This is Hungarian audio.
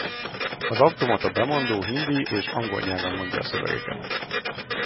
Az automata bemondó hindi és angol nyelven mondja a szövegeket.